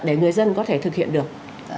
để người dân có thể thực hiện được